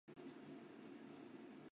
抗日战争结束后回到上海。